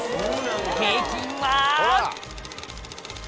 平均は。